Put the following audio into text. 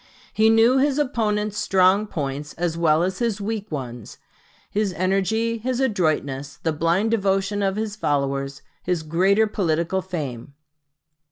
He knew his opponent's strong points as well as his weak ones his energy, his adroitness, the blind devotion of his followers, his greater political fame.